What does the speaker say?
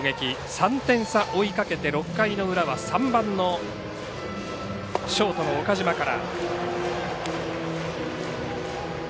３点差を追いかけて６回の裏は３番のショートの岡島から。